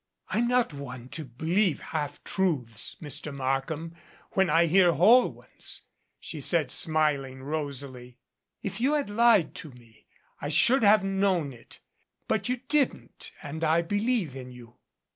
"I'm not one to believe half truths, Mr. Markham, when I hear whole ones," she said, smiling rosily. "If you had lied to me I should have known it. But you didn't and I believe in you."